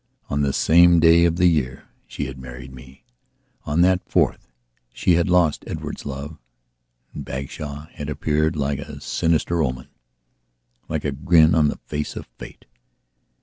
On the same day of the year she had married me; on that 4th she had lost Edward's love, and Bagshawe had appeared like a sinister omenlike a grin on the face of Fate.